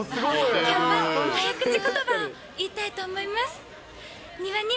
きょうは早口ことばを言いたいと思います。